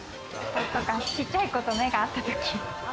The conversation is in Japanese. ちっちゃい子と目が合ったとき。